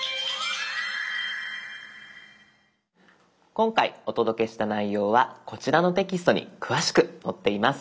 今回お届けした内容はこちらのテキストに詳しく載っています。